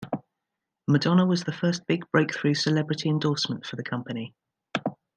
Madonna was the first big break through celebrity endorsement for the company.